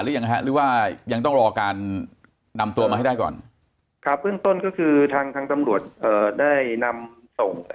หรือยังฮะหรือว่ายังต้องรอการนำตัวมาให้ได้ก่อนครับเบื้องต้นก็คือทางทางตำรวจเอ่อได้นำส่ง